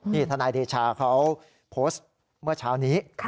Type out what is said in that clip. นี่ทนายเดชาเขาโพสต์เมื่อเช้านี้